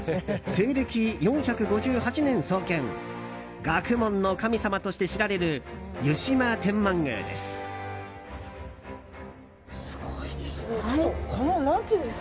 西暦４５８年創建学問の神様として知られる湯島天満宮です。